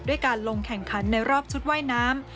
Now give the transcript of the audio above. การลงแข่งขันในรอบชุดว่ายน้ำ